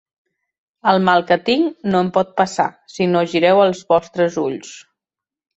El mal que tinc no em pot passar, si no gireu els vostres ulls.